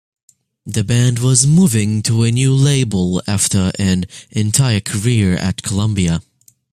The band was moving to a new label after an entire career at Columbia.